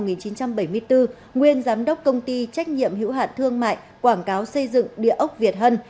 nguyên tổng giám đốc tổng công ty trách nhiệm hiệu hạn thương mại quảng cáo xây dựng địa ốc việt hân